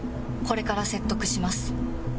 これから説得します。